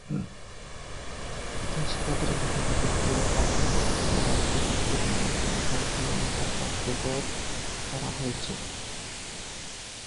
ঐতিহাসিকভাবে, জনসংখ্যা বৃদ্ধির হার সীমাবদ্ধ করার লক্ষ্যে মানব জনসংখ্যা নিয়ন্ত্রণ কার্যকর করা হয়েছে।